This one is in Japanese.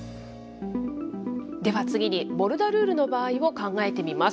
では次にボルダルールの場合を考えてみます。